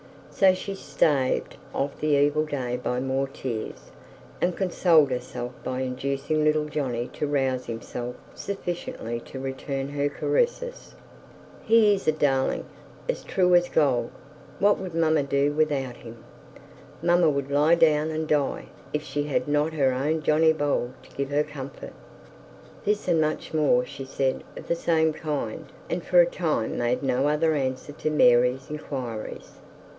So she staved off the evil day by more tears, and consoled herself by inducing little Johnny to rouse himself sufficiently to return her caresses. 'He is a darling as true as gold. What would mamma do without him? Mamma would lie down and die if she had not her own Johnny Bold to give her comfort.' This and much more she said of the same kind, and for a time made no other answer to Mary's inquiries.